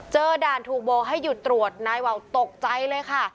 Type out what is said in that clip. ด่านถูกโบให้หยุดตรวจนายวาวตกใจเลยค่ะ